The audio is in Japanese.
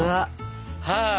はい。